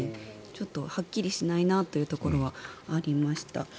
ちょっとはっきりしないなというところはありました。